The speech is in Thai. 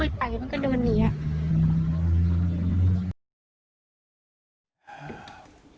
ไม่ไปมันก็เดินเนีย